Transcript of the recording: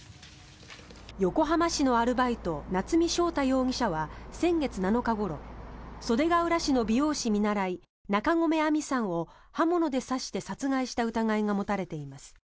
横浜市のアルバイト夏見翔太容疑者は先月７日ごろ袖ケ浦市の美容師見習い中込愛美さんを、刃物で刺して殺害した疑いが持たれています。